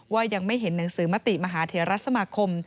ยังไม่เห็นหนังสือมติมหาเทรสมาคม